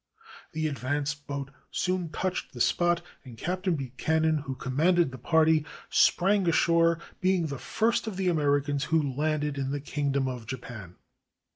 The advance boat soon touched the spot, and Captain Buchanan, who commanded the party, sprang ashore, being the first of the Americans who landed in the Kingdom of Japan.